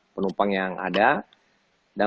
penumpang yang ada